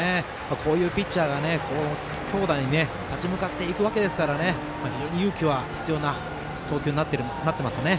こういうピッチャーが強打に立ち向かっていくわけですから勇気は必要な投球になっていますね。